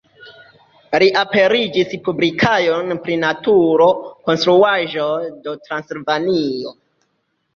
Li aperigis publikaĵojn pri naturo, konstruaĵoj de Transilvanio.